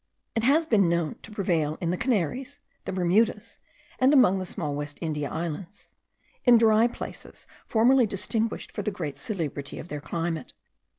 It has been known to prevail in the Canaries, the Bermudas, and among the small West India Islands, in dry places formerly distinguished for the great salubrity of their climate.